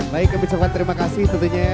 baik kami syukurkan terima kasih tentunya